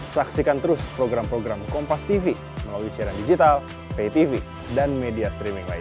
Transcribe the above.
saksikan terus program program kompastv melalui siaran digital paytv dan media streaming lain